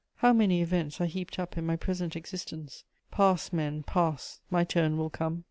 How many events are heaped up in my present existence! Pass, men, pass; my turn will come.